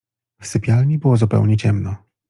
W sypialni było zupełnie ciemno.